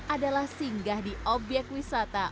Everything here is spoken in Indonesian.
adalah singgah di obyek wisata